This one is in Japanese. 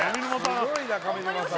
すごいな上沼さん